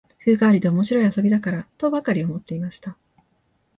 風変わりで面白い遊びだから、とばかり思っていました